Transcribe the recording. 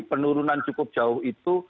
penurunan cukup jauh itu